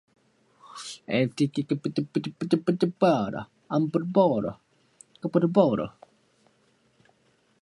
Extensive other modifications, installations, and renovations also took place between February and August.